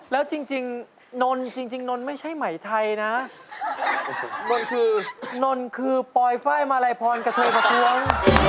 มันกระเทยประท้วง